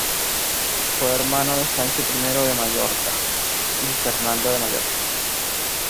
Fue hermano de Sancho I de Mallorca y Fernando de Mallorca.